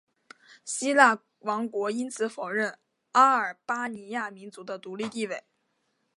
希腊王国因此否认阿尔巴尼亚民族的独立地位。